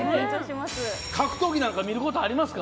格闘技なんか見ることありますか？